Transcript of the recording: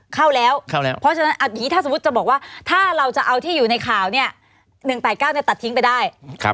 เข้าแล้วเพราะฉะนั้นอย่างนี้ถ้าสมมุติจะบอกว่าถ้าเราจะเอาที่อยู่ในข่าวเนี่ย๑๘๙ตัดทิ้งไปได้